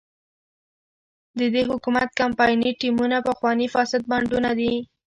د دې حکومت کمپایني ټیمونه پخواني فاسد بانډونه دي.